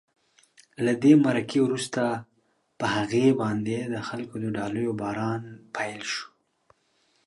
له دې مرکې وروسته په هغې باندې د خلکو د ډالیو باران پیل شو.